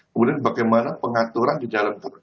kemudian bagaimana pengaturan di dalam ruang terminus